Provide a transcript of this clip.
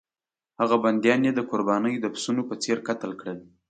هغه بندیان یې د قربانۍ د پسونو په څېر قتل کړل.